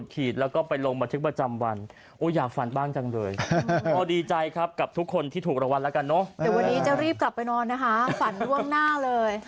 กลับไปนอนนะคะฝันด้วงหน้าเลย